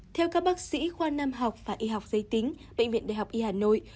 theo các bác sĩ khoa nam học và y học dây tính bệnh viện đại học y hà nội